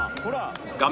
画面